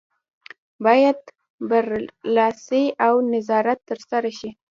باید بررسي او نظارت ترسره شي.